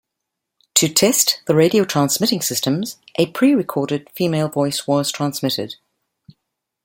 To test the radio transmitting systems, a pre-recorded female voice was transmitted.